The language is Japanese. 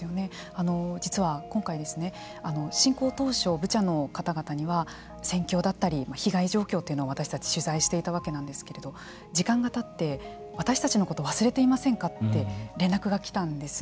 実は今回、侵攻当初ブチャの方々には戦況だったり被害状況というのを私たち取材していたわけなんですけれど時間がたって私たちのことを忘れていませんかって連絡が来たんです。